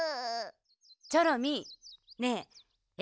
チョロミーねええ